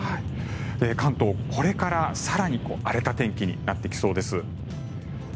関東、これから更に荒れた天気になってきそうです。